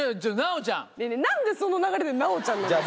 何でその流れで「奈央ちゃん」なんですか？